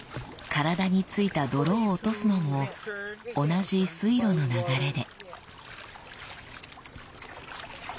体についた泥を落とすのも同じ水路の流れで。